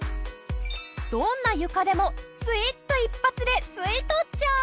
どんな床でもスイッと一発で吸い取っちゃう！